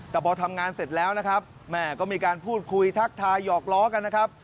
แต่พอทำงานเสร็จแล้วนะครับ